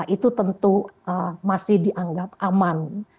itu tentu masih dianggap aman